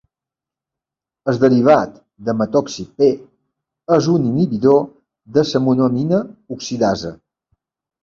El derivat de metoxi "p" és un inhibidor de la monoamina-oxidasa.